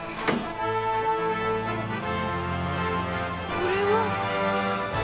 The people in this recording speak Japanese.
これは。